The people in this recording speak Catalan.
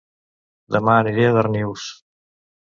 Dema aniré a Darnius